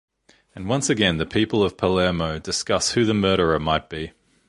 And once again the people of Palermo discuss who the murderer might be.